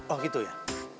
oh gitu ya